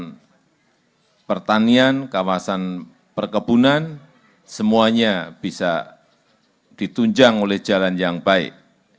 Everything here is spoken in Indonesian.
kementerian pertanian kawasan perkebunan semuanya bisa ditunjang oleh jalan yang baik